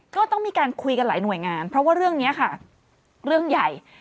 ก็ต้องมีการคุยกันหลายหน่วยงานเพราะว่าเรื่องนี้ค่ะเรื่องใหญ่